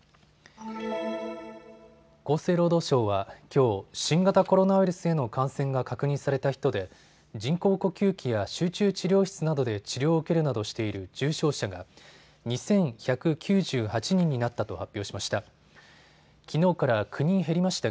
厚生労働省はきょう、新型コロナウイルスへの感染が確認された人で人工呼吸器や集中治療室などで治療を受けるなどしている重症者が２１９８人になったと発表しました。